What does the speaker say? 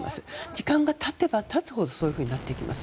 時間が経てば経つほどそうなっていきます。